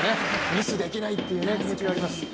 ミスできないっていう気持ちがあります。